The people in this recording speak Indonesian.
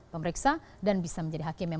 pemeriksa dan bisa menjadi hakim yang